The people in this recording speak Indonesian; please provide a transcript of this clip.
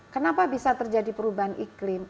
kenapa bisa terjadi perubahan iklim